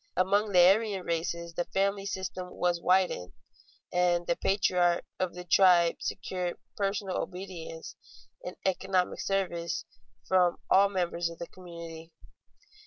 Among the Aryan races the family system was widened, and the patriarch of the tribe secured personal obedience and economic service from all members of the community.